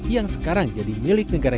yang sekarang jadi miliknya